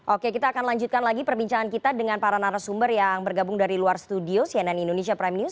oke kita akan lanjutkan lagi perbincangan kita dengan para narasumber yang bergabung dari luar studio cnn indonesia prime news